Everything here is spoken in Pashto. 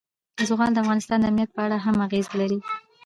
زغال د افغانستان د امنیت په اړه هم اغېز لري.